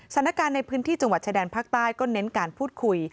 สถานการณ์ในพื้นที่จังหวัดชายแดนภาคใต้ก็เน้นการพูดคุย